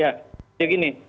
ya jadi gini